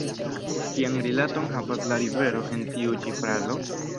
Kian rilaton havas la rivero en tiu ĉi frazo?